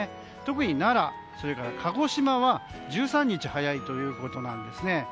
特に奈良、それから鹿児島は１３日早いということなんですね。